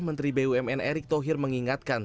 menteri bumn erick thohir mengingatkan